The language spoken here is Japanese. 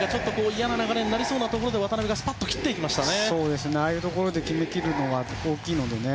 嫌な流れになりそうなところで渡邊がスパッと切りましたね。